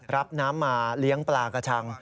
รับน้ำมาเลี้ยงปลากระชัง